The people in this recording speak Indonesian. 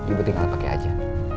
ibu tinggal pake aja